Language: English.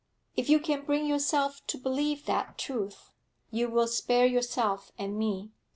'If you can bring yourself to believe that truth, you will spare yourself and me.'